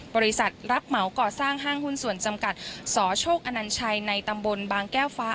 บริษัทรับเหมาก่อสร้างห้างหุ้นส่วนจำกัดสโชคอนัญชัยในตำบลบางแก้วฟ้า